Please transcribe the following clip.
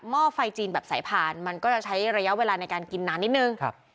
ห้อไฟจีนแบบสายพานมันก็จะใช้ระยะเวลาในการกินนานนิดนึง